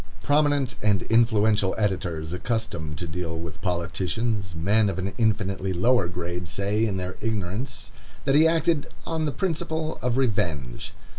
Prominent and influential editors, accustomed to deal with politicians, men of an infinitely lower grade, say, in their ignorance, that he acted "on the principle of revenge."